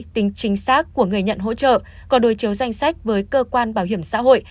tính chính xác của người nhận hỗ trợ có đối chiếu danh sách với cơ quan bảo hiểm xã hội